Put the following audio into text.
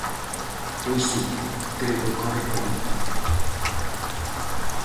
Pois si, creo que corre perigo.